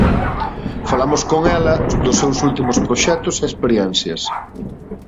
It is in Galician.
Falamos con ela dos seus últimos proxectos e experiencias.